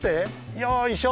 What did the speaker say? よいしょ。